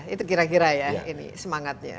itu kira kira ya ini semangatnya